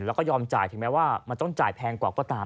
แล้วก็ยอมจ่ายถึงแม้ว่ามันต้องจ่ายแพงกว่าก็ตาม